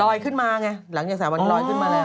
ขึ้นมาไงหลังจาก๓วันลอยขึ้นมาแล้ว